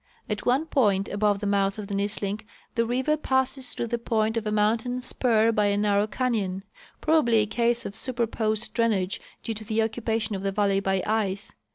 At one point above the mouth of the Nisling the river passes through the point of a mountain spur by a narrow canyon, probably a case of superposed drainage due to the occupation of the valley by ice.